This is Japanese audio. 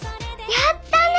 やったね！